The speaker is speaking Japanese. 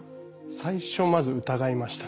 最初まず疑いましたね。